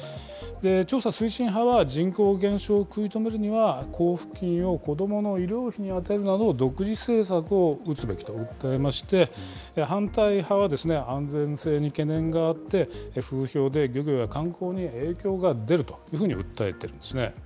調査推進派は人口減少を食い止めるには、交付金を子どもの医療費に充てるなど、独自政策を打つべきと訴えまして、反対派は安全性に懸念があって、風評で漁業や観光に影響が出るというふうに訴えてるんですね。